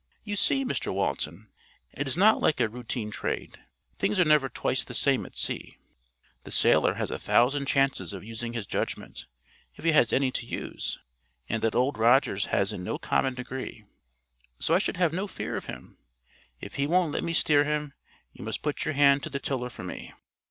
You see, Mr Walton, it is not like a routine trade. Things are never twice the same at sea. The sailor has a thousand chances of using his judgment, if he has any to use; and that Old Rogers has in no common degree. So I should have no fear of him. If he won't let me steer him, you must put your hand to the tiller for me."